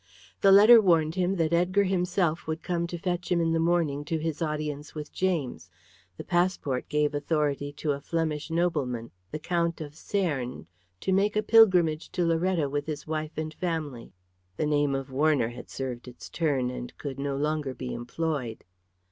The letter warned him that Edgar himself would come to fetch him in the morning to his audience with James. The passport gave authority to a Flemish nobleman, the Count of Cernes, to make a pilgrimage to Loretto with his wife and family. The name of Warner had served its turn and could no longer be employed.